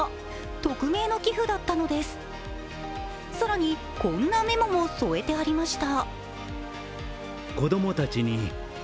匿名の寄付だったのです、更にこんなメモも添えてありました。